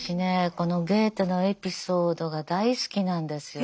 このゲーテのエピソードが大好きなんですよ。